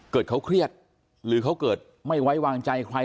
เกิดเขาเครียดหรือเขาเกิดไม่ไว้วางใจใคร